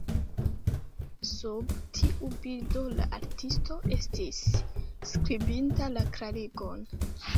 Sub tiu bildo, la artisto estis skribinta klarigon.